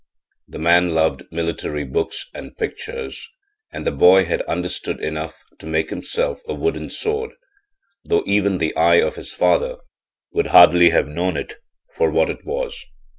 The man loved military books and pictures and the boy had understood enough to make himself a wooden sword, though even the eye of his father would hardly have known it for what it was.